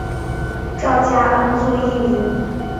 赵佳恩作艺名。